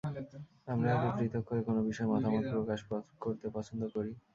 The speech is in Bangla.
আমরা হয়তো পৃথক করে কোনো বিষয়ে মতামত প্রকাশ করতে পছন্দ করি।